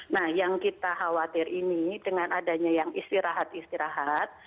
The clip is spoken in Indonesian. nah yang kita khawatir ini dengan adanya yang istirahat istirahat